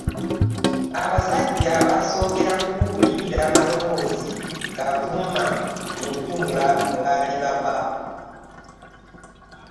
Abasajja baasookera ku kuwulira maloboozi gavuvuuma mu nju mwe baali bava.